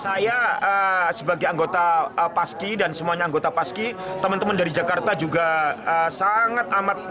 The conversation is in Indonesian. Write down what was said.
saya sebagai anggota paski dan semuanya anggota paski teman teman dari jakarta juga sangat amat